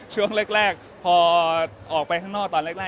ช่วงแรกพอออกไปข้างนอกตอนแรก